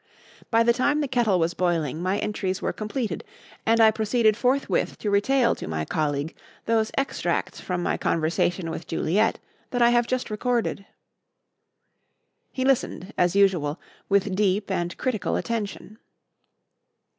By the time the kettle was boiling my entries were completed, and I proceeded forthwith to retail to my colleague those extracts from my conversation with Juliet that I have just recorded. He listened, as usual, with deep and critical attention.